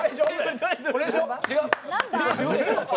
これでしょ。